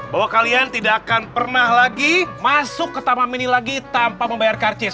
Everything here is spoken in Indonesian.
bahwa kalian tidak akan pernah lagi masuk ke taman mini lagi tanpa membayar karcis